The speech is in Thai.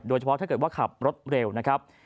โดยเฉพาะถ้าเกิดว่าขับรถเร็วนะครับ